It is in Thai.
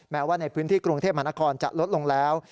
แม้ว่าในพื้นที่กรุงเทพมหานครจะลดลงแล้ว